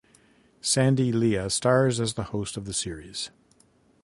Sandy Leah stars as the host of the series.